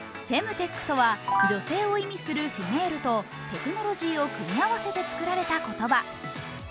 フェムテックとは、女性を意味するフィメールとテクノロジーを組み合わせて作られた言葉。